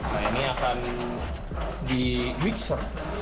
nah ini akan di wixer